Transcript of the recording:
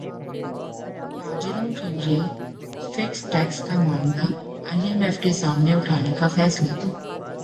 تاجروں کیلئے fixed tax کا معاملہ ائی ایم ایف کے سامنے اٹھانے کا فیصلہ